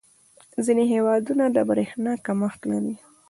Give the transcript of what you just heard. • ځینې هېوادونه د برېښنا کمښت لري.